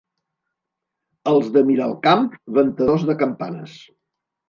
Els de Miralcamp, ventadors de campanes.